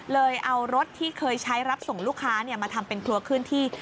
เลยเอารถที่เคยใช้รับส่งลูกค้ามาทำเป็นครัวเคลื่อนที่